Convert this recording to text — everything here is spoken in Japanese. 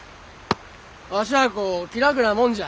わしゃあこ気楽なもんじゃ。